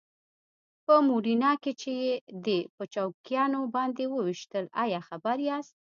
په موډینا کې چې یې دی په چوکیانو باندې وويشتل ایا خبر یاست؟